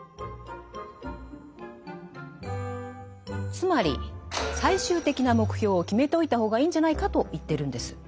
つまり最終的な目標を決めておいた方がいいんじゃないかと言ってるんです。